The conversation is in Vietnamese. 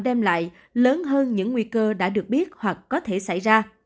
đem lại lớn hơn những nguy cơ đã được biết hoặc có thể xảy ra